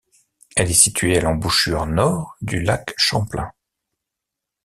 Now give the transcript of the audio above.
Elle est située à l'embouchure nord du lac Champlain.